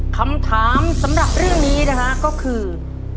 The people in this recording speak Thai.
คำถามสำหรับเรื่องนี้นะฮะก็คือ